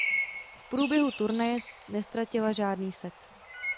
V průběhu turnaje neztratila žádný set.